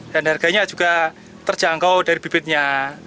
dan harganya juga terjangkau dari bibitnya